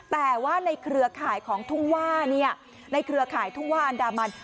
แต่ว่าในเครือข่ายของทุ่งว่าในเครือข่ายทุ่งว่าอันดามัน